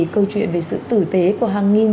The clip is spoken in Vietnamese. câu chuyện về sự tử tế của hàng nghìn